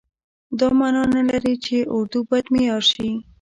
دا معنا نه لري چې اردو باید معیار شي.